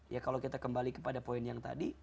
ya kalau kita kembali kepada poin yang tadi